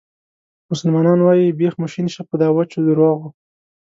مسلمانان وایي بیخ مو شین شه په دا وچو درواغو.